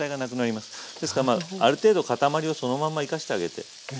ですからまあある程度塊をそのまま生かしてあげて。